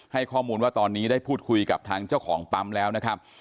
ให้ข้อมูลว่าตอนนี้ได้พูดคุยกับทางเจ้าของปั๊มแล้วนะครับ